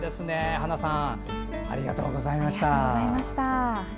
はなさんありがとうございました。